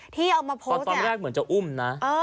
ตอนแรกเหมือนจะอุ่มนะ